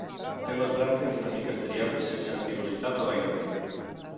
Té les branques una mica estriades, sense pilositat o gairebé.